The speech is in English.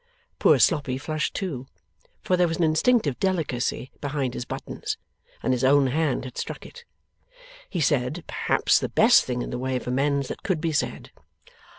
Poor Sloppy flushed too, for there was an instinctive delicacy behind his buttons, and his own hand had struck it. He said, perhaps, the best thing in the way of amends that could be said.